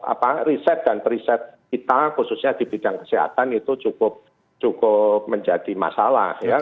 apa riset dan riset kita khususnya di bidang kesehatan itu cukup menjadi masalah ya